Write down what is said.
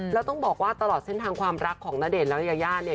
แล้วต้องบอกว่าตลอดเส้นทางความรักของณเดชน์และยายาเนี่ย